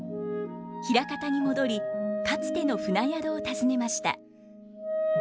枚方に戻りかつての船宿を訪ねました。